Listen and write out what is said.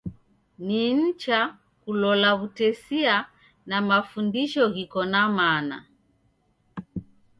Ni nicha kulola w'utesia na mafundisho ghiko na mana.